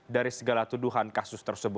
dari segala tuduhan kasusnya